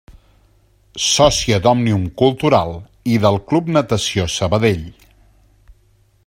Sòcia d'Òmnium Cultural i del Club Natació Sabadell.